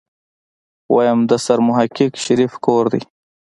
ويم د سرمحقق شريف کور دی.